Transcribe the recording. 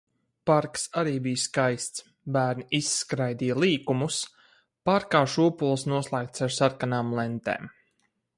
Parks arī bija skaists. Bērni izskraidīja līkumus. Parkā šūpoles noslēgtas ar sarkanām lentēm.